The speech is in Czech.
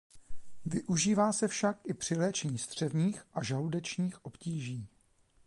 Využívá se však i při léčení střevních a žaludečních obtíží.